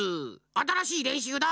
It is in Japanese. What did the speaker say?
あたらしいれんしゅうだ！